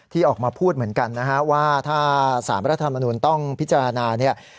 ที่ออกมาพูดเหมือนกันนะฮะว่าถ้าสารรัฐธรรมนุนต้องพิจารณาเนี่ย